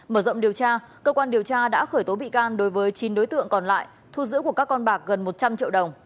mở rộng điều tra cơ quan điều tra đã khởi tố bị can đối với chín đối tượng còn lại thu giữ của các con bạc gần một trăm linh triệu đồng